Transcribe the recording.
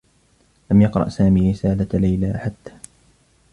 لم يقرأ سامي رسالة ليلى حتّى.